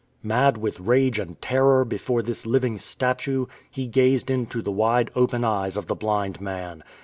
Mad with rage and terror before this living statue, he gazed into the wide open eyes of the blind man.